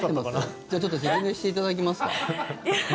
じゃあ、ちょっと説明していただけますか。